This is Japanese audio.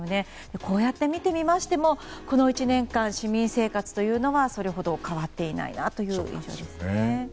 こうやって見てみましてもこの１年間、市民生活というのはそれほど変わっていないなという印象ですね。